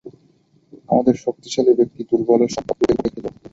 আমাদের শক্তিশালী ব্যক্তি দুর্বলের সম্পদ লুটেপুটে খেত।